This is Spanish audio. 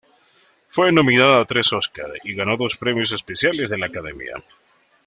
Fue nominada a tres Oscar y ganó dos premios especiales de la Academia.